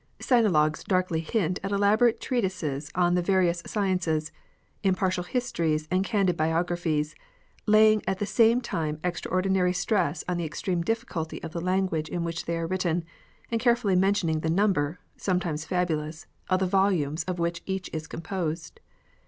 Sinologues darkly hint at elaborate trea tises on the various sciences, impartial histories and candid biographies, laying at the same time extra ordinary stress on the extreme difficulty of the lan guage in which they are written, and carefully mention ing the number (sometimes fabulous) of the volumes of which each is composed.